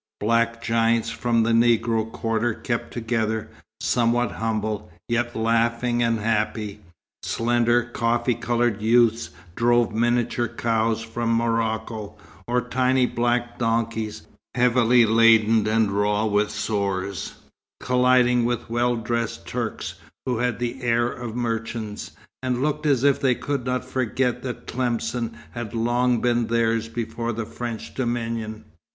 Black giants from the Negro quarter kept together, somewhat humble, yet laughing and happy. Slender, coffee coloured youths drove miniature cows from Morocco, or tiny black donkeys, heavily laden and raw with sores, colliding with well dressed Turks, who had the air of merchants, and looked as if they could not forget that Tlemcen had long been theirs before the French dominion.